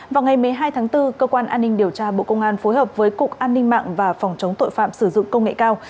vào ngày một mươi hai tháng bốn cơ quan an ninh điều tra bộ công an phối hợp với cục an ninh mạng và phòng chống tội phạm sử dụng công nghệ cao